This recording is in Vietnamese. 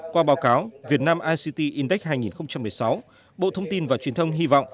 qua báo cáo việt nam ict index hai nghìn một mươi sáu bộ thông tin và truyền thông hy vọng